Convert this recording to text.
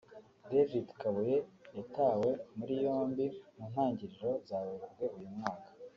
David Kabuye yatawe muri yombi mu ntangiriro za Werurwe uyu mwaka